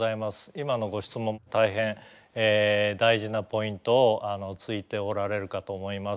今のご質問大変大事なポイントをついておられるかと思います。